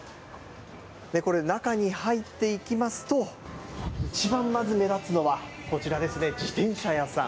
これ、中に入っていきますと、一番まず目立つのは、こちらですね、自転車屋さん。